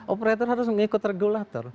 operator harus mengikut regulator